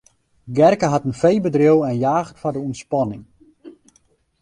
Gerke hat in feebedriuw en jaget foar de ûntspanning.